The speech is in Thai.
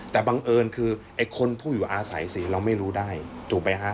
แต่บังเอิญคือไอ้คนผู้อยู่อาศัยสิเราไม่รู้ได้ถูกไหมฮะ